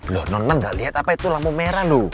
lu normal gak liat apa itu lammu merah lu